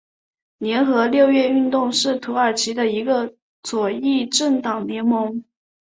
联合六月运动是土耳其的一个左翼政党联盟。